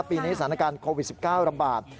ปีนี้สถานการณ์โควิด๑๙ระบาด